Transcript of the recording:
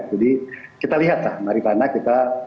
jadi kita lihat lah maripana kita